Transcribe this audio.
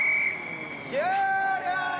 終了！